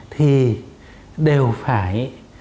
thì đều phải